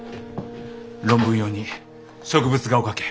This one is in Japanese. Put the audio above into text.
論文用に植物画を描け。